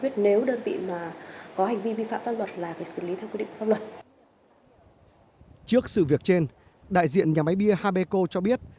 trước sự việc trên đại diện nhà máy bia habeco cho biết